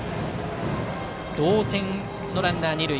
同点のランナー、二塁。